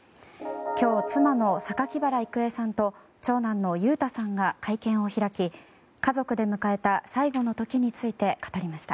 今日、妻の榊原郁恵さんと長男の裕太さんが会見を開き家族で迎えた最期の時について語りました。